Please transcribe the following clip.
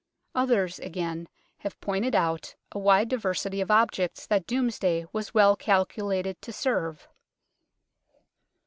Others, again, have pointed out a wide diversity of objects that Domesday was well calculated to serve 1.